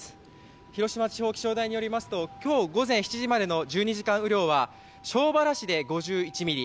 広島地方気象台によりますと今日午前７時までの１２時間雨量は庄原市で５１ミリ。